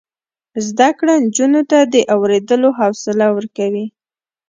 زده کړه نجونو ته د اوریدلو حوصله ورکوي.